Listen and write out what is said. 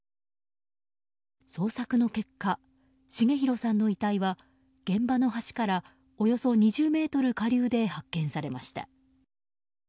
捜索の結果、重弘さんの遺体は現場の橋からおよそ２０ｍ下流で発見されました。